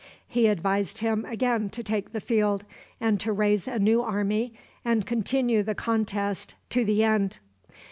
He advised him again to take the field, and to raise a new army, and continue the contest to the end.